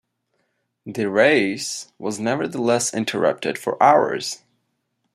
The race was nevertheless interrupted for hours.